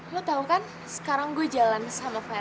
lo tau kan sekarang gue jalan sama fair